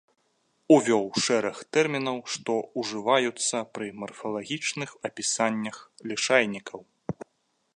Увёў шэраг тэрмінаў, што ўжываюцца пры марфалагічных апісаннях лішайнікаў.